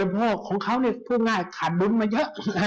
บริโภคของเขาเนี่ยพูดง่ายขาดดุ้มมาเยอะ